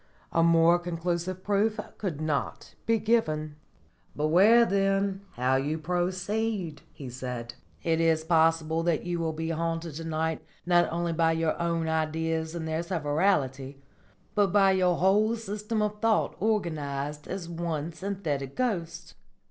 A more conclusive proof could not be given." "Beware, then, how you proceed!" said he. "It is possible that you will be haunted to night not only by your Ideas in their severalty, but by your whole system of thought organised as one Synthetic Ghost.